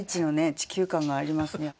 地球感がありますね。